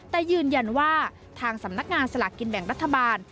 แต่ยืนยันว่าทางสำนักงานสลากกินแบ่งรัฐบาล